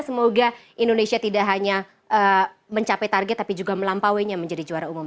semoga indonesia tidak hanya mencapai target tapi juga melampauinya menjadi juara umum